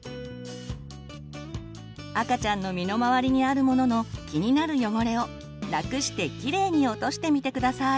赤ちゃんの身の回りにあるものの気になる汚れをラクしてキレイに落としてみて下さい。